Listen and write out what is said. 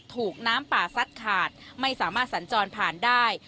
ถูกน้ำป่าซัดขาดไม่สามารถสัญจรผ่านได้